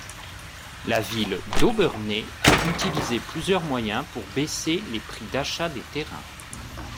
La ville d'Obernai a utilisé plusieurs moyens pour baisser les prix d'achat des terrains.